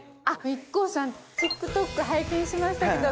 ＩＫＫＯさんＴｉｋＴｏｋ拝見しましたけど。